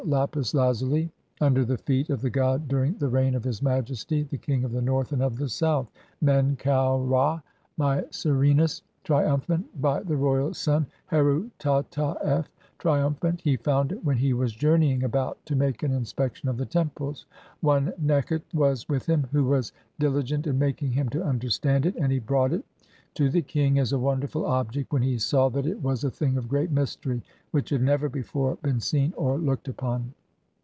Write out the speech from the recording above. APIS LAZUI.I, UNDER THE FEET OF THE GOD DURING THE REIGN OF HIS MAJESTY, THE KING OF THE NORTH AND OF THE SOUTH, MEN KAU RA (MYCER1NUS) TRIUMPHANT, BY THE ROYAL SON HERU TA TA F,* TRIUM PHANT ; HE FOUND IT (4) WHEN HE WAS JOURNEYING ABOUT TO MAKE AN INSPECTION OF THE TEMPLES. ONE NEKHT(?) WAS WITH HL\r WHO WAS DILIGENT IN MAKING HIM TO UNDERSTAND!?) IT, AND HE BROUGHT IT (5) TO THE KING AS A WONDERFUL OBJECT WHEN HE SAW THAT IT WAS A THING OF GREAT MYSTERY, WHICH HAD NEVER [BEFORE] BEEN SEEN OR LOOKED UPON.